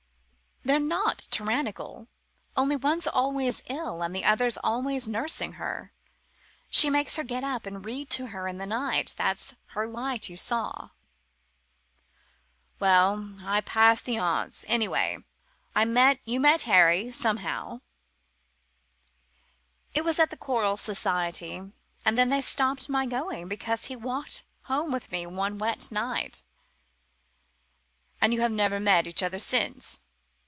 "They're not tyrannical only one's always ill and the other's always nursing her. She makes her get up and read to her in the night. That's her light you saw " "Well, I pass the aunts. Anyhow, you met Harry somehow " "It was at the Choral Society. And then they stopped my going because he walked home with me one wet night." "And you have never seen each other since?"